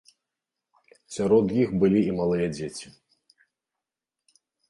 Сярод іх былі і малыя дзеці.